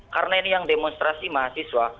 karena ini yang demonstrasi mahasiswa